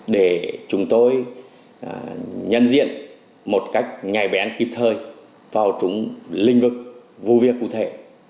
để chúng tôi nhân diện một cách nhảy bén kịp thời vào trung linh vực vô việc cụ thể